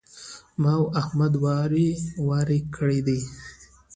ما او احمد واری کړی دی.